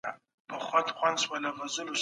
هرې نوې مرحلې د تېرې مرحلې کیسې هېرې کړې.